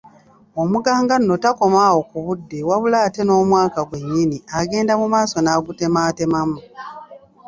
Omuganga nno takoma awo ku budde wabula ate n'omwaka gwe nnyini agenda mu maaso n'agutemaatemamu